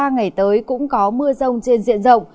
ba ngày tới cũng có mưa rông trên diện rộng